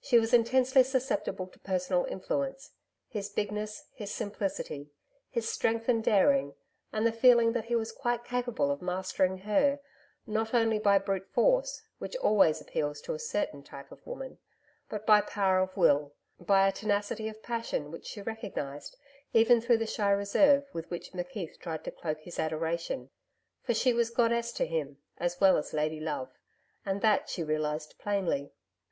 She was intensely susceptible to personal influence his bigness, his simplicity, his strength and daring, and the feeling that he was quite capable of mastering her, not only by brute force which always appeals to a certain type of woman but by power of will, by a tenacity of passion which she recognised even through the shy reserve with which McKeith tried to cloak his adoration. For she was goddess to him, as well as lady love and that she realised plainly.